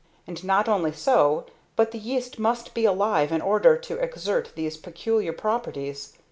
And not only so, but the yeast must be alive in order to exert these peculiar properties.